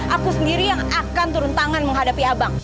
aku sendiri yang akan turun tangan menghadapi abang